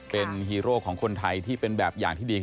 เป็นฮีโร่ของคนไทยที่เป็นแบบอย่างที่ดี